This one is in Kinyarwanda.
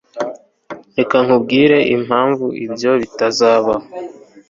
Reka nkubwire impamvu ibyo bitazabaho